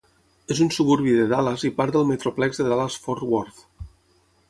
És un suburbi de Dallas i part del Metroplex de Dallas-Fort Worth.